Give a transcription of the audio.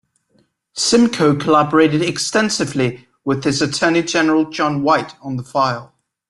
Simcoe collaborated extensively with his Attorney-General John White on the file.